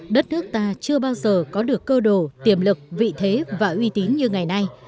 đất nước ta chưa bao giờ có được cơ đồ tiềm lực vị thế và uy tín như ngày nay